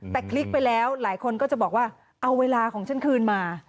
แต่คลิกไปแล้วหลายคนก็จะบอกว่าเอาเวลาของฉันคืนมา